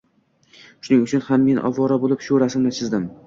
Shuning uchun ham men ovora bo‘lib shu rasmni chizdim